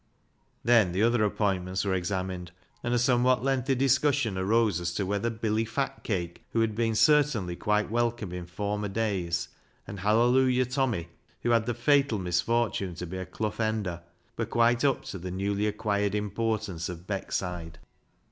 Then the other appointments were examined, and a somewhat lengthy discussion arose as to whether Billy Fatcake, who had been certainly i8 BECKSIDE LIGHTS quite welcome in former days, and Hallelujah Tommy, who had the fatal misfortune to be a Clough Ender, were quite up to the newly acquired importance of Beckside.